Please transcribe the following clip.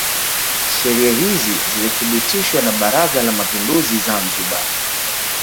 Sheria hizi zilithibitishwa na Baraza la Mapinduzi Zanzibar